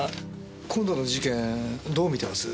今度の事件どう見てます？